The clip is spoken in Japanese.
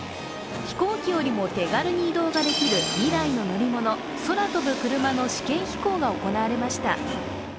飛行機よりも手軽に移動ができる未来の乗り物、空飛ぶクルマの試験飛行が行われました。